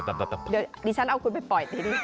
เดี๋ยวดิฉันเอาคุณไปปล่อยตี